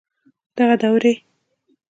دغه دوړي